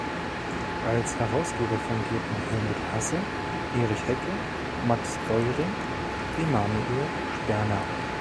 Als Herausgeber fungierten Helmut Hasse, Erich Hecke, Max Deuring, Emanuel Sperner.